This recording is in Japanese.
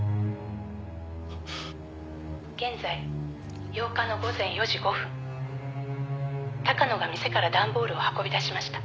「現在８日の午前４時５分」「高野が店から段ボールを運び出しました」